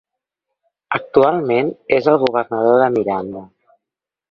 Actualment és el governador de Miranda.